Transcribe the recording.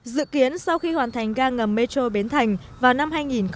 dự kiến sau khi hoàn thành ga ngầm metro bến thành vào năm hai nghìn hai mươi